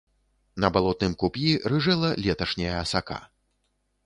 На балотным куп'і рыжэла леташняя асака.